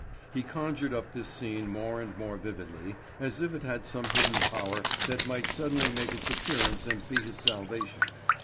He conjured up this scene more and more vividly, as if it had some hidden power that might suddenly make its appearance and be his salvation.